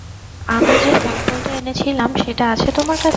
আমি যে স্যাম্পলটা এনেছিলাম সেটা আছে তোমার কাছে?